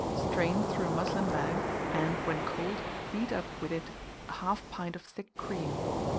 Strain through a muslin bag, and, when cold, beat up with it 1/2 pint of thick cream.